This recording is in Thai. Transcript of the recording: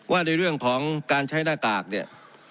ว่าในเรื่องของการใช้หน้ากากเนี่ย